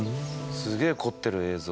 すげえ凝ってる映像。